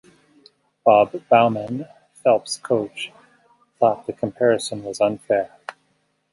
Bob Bowman, Phelps' coach, thought the comparison was unfair.